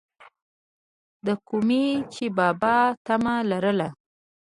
دَکومې چې بابا طمع لرله،